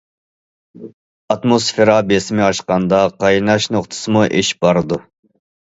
ئاتموسفېرا بېسىمى ئاشقاندا، قايناش نۇقتىسىمۇ ئېشىپ بارىدۇ.